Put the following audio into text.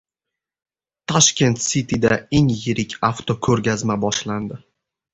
Tashkent Cityda eng yirik avto ko‘rgazma boshlandi